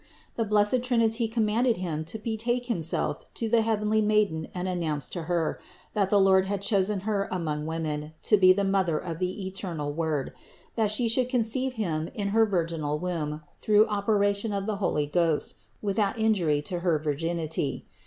The blessed Trinity commanded him to betake himself to the heavenly Maiden and announce to Her, that the Lord 2 8 94 CITY OK GOD had chosen Her among women to be the Mother of the eternal Word, that She should conceive Him in her vir ginal womb through operation of the Holy Ghost with out injury to her virginity.